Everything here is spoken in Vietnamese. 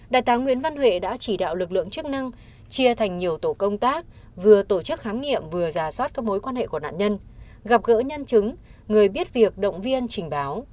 đại tá nguyễn văn huệ đã chỉ đạo lực lượng chức năng chia thành nhiều tổ công tác vừa tổ chức khám nghiệm vừa giả soát các mối quan hệ của nạn nhân gặp gỡ nhân chứng người biết việc động viên trình báo